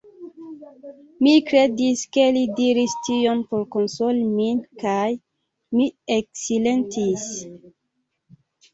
Mi kredis, ke li diris tion por konsoli min kaj mi eksilentis.